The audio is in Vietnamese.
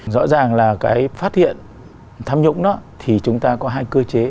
rõ ràng là cái phát hiện tham nhũng đó thì chúng ta có hai cơ chế